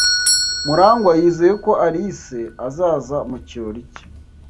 Murangwa yizeye ko Alice azaza mu kirori cye.